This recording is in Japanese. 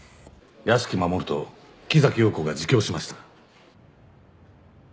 屋敷マモルと木崎陽子が自供しました。